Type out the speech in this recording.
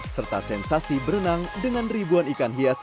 serta sensasi berenang dengan ribuan ikan hias